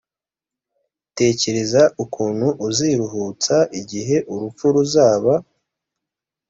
tekereza ukuntu uziruhutsa igihe urupfu ruzaba